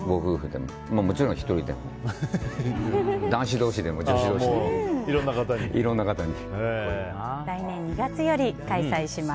もちろん１人でも男子同士でも女子同士でもいろんな方に。